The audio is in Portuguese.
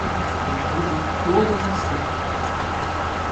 Derrube todas as cercas.